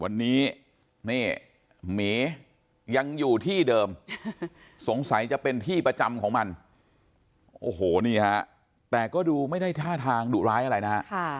วันนี้นี่หมียังอยู่ที่เดิมสงสัยจะเป็นที่ประจำของมันโอ้โหนี่ฮะแต่ก็ดูไม่ได้ท่าทางดุร้ายอะไรนะฮะ